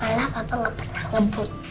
malah papa hours ngebut